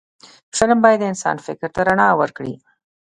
فلم باید د انسان فکر ته رڼا ورکړي